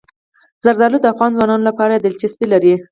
زردالو د افغان ځوانانو لپاره دلچسپي لري.